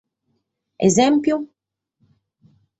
Esempru?